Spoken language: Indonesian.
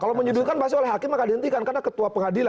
kalau menyudutkan pasti oleh hakim akan dihentikan karena ketua pengadilan